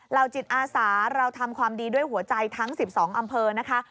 จิตอาสาเราทำความดีด้วยหัวใจทั้ง๑๒อำเภอนะคะ